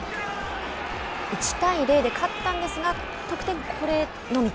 １対０で勝ったんですが得点、これのみと。